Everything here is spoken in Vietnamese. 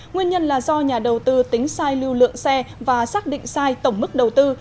nguyên nhân là do nhà đầu tư tính sai lưu lượng xe và xác định sai tổng mức đầu tư